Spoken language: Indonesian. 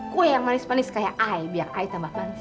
kue yang manis manis kayak aku biar aku tambah manis